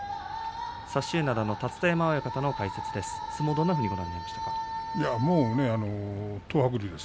薩洲洋の立田川親方の解説です。